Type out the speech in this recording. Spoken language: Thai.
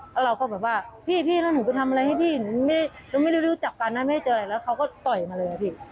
แล้วเราก็แบบว่าพี่แล้วหนูไปทำอะไรให้พี่หนูไม่ได้รู้จักกันนะไม่ได้เจออะไรแล้วเขาก็ต่อยมาเลยอะพี่